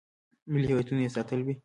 ملي هویتونه یې ساتلي وي.